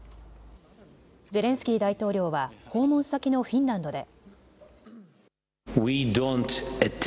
ゼレンスキー大統領は訪問先のフィンランドで。